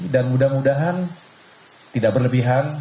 dan mudah mudahan tidak berlebihan